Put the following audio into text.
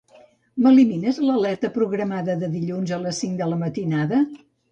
M'elimines l'alerta programada de dilluns a les cinc de la matinada?